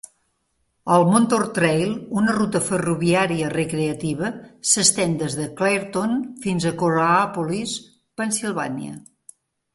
El Montour Trail, una ruta ferroviària recreativa, s'estén des de Clairton fins a Coraopolis, Pennsylvania.